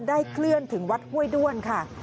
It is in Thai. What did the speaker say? เคลื่อนถึงวัดห้วยด้วนค่ะ